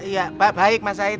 ya baik mas said